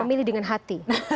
memilih dengan hati